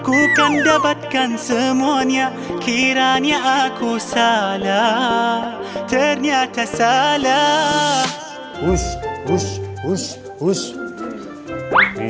kukandapatkan semuanya kiranya aku salah ternyata salah usus usus usus